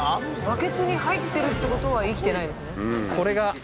バケツに入ってるってことは生きてないですね。